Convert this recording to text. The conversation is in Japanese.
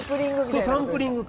そうサンプリング。